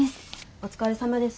お疲れさまです。